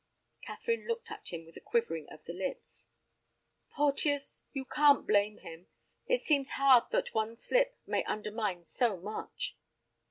Catherine looked at him with a quivering of the lips. "Porteus, you can't blame him. It seems hard that one slip may undermine so much."